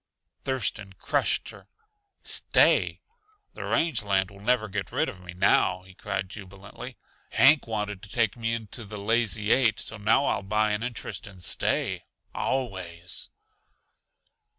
Thurston crushed her close. "Stay? The range land will never get rid of me now," he cried jubilantly. "Hank wanted to take me into the Lazy Eight, so now I'll buy an interest, and stay always."